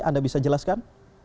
anda bisa jelaskan